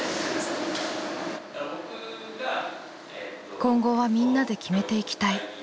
「今後はみんなで決めていきたい」。